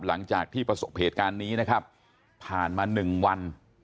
หลังจากที่ประสบเหตุการณ์นี้นะครับผ่านมา๑วัน